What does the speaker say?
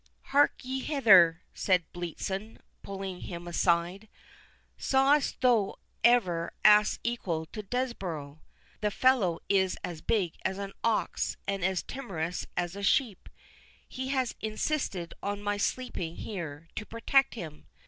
"Hark ye hither," said Bletson, pulling him aside, "sawest thou ever ass equal to Desborough?—the fellow is as big as an ox, and as timorous as a sheep. He has insisted on my sleeping here, to protect him.